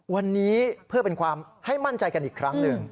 วันนี้เพื่อเป็นความให้มั่นใจกันอีกครั้งหนึ่ง